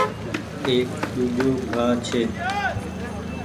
ايڪ ۮوجھو گآه ڇي۔